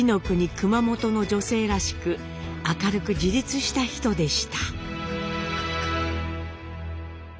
熊本の女性らしく明るく自立した人でした。